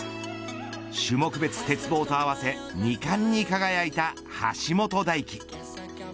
種目別、鉄棒と合わせ２冠に輝いた橋本大輝。